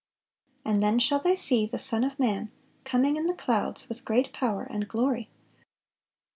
And then shall they see the Son of man coming in the clouds with great power and glory."